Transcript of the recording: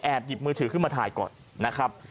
หยิบมือถือขึ้นมาถ่ายก่อนนะครับ